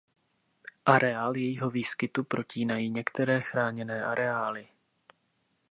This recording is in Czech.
Areál jejího výskytu protínají některé chráněné areály.